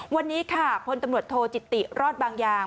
วันนี้ค่ะพลตำรวจโทจิติรอดบางอย่าง